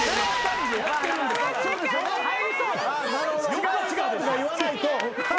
「違う違う」とか言わないと。